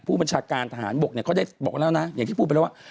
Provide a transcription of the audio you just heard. ผู้บัญชาการทหารบกเนี่ยเขาได้บอกแล้วนะอย่างที่พูดไปแล้วว่า